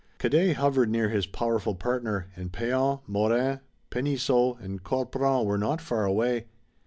Cadet hovered near his powerful partner and Pean, Maurin, Penisseault and Corpron were not far away.